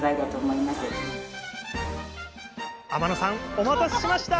お待たせしました。